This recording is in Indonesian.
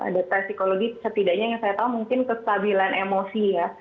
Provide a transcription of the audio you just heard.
ada tes psikologi setidaknya yang saya tahu mungkin kestabilan emosi ya